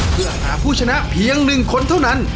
เพื่อหาผู้ชนะเพียง๑คนเท่านั้น